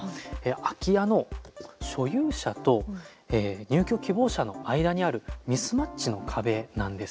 空き家の所有者と入居希望者の間にあるミスマッチの壁なんです。